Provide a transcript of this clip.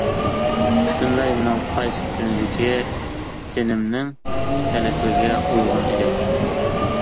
پۈتۈنلەي مېنىڭ قايسى كۈنىدىكى تېنىمنىڭ تەلىپىگە ئۇيغۇن ئىدى.